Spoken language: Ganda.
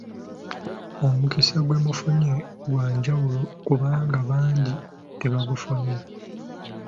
Omukisa gwe mufunye gwa njawulo kubanga bangi tebagufunye.